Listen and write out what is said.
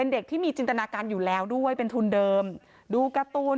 ดูเหมือนกาตูน